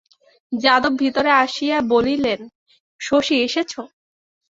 যাদব ভিতরে আসিয়া বলিলেন, শশী এসেছ?